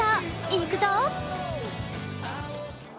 いくぞ！